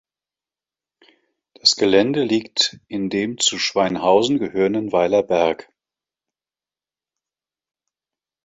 Das Gelände liegt in dem zu Schweinhausen gehörenden Weiler Berg.